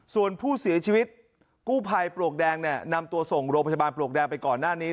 ส่วนผู้เสียชีวิตกู้ภัยปลวกแดงเนี่ยนำตัวส่งโรงพยาบาลปลวกแดงไปก่อนหน้านี้